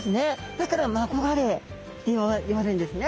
だからマコガレイっていわれるんですね。